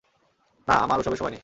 না, আমার ওসবের সময় নেই।